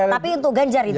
tapi untuk ganjar itu